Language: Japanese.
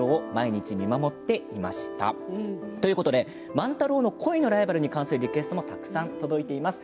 万太郎の恋のライバルに関するリクエストもたくさん届きました。